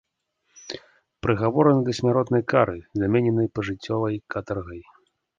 Прыгавораны да смяротнай кары, замененай пажыццёвай катаргай.